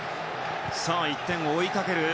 １点を追いかける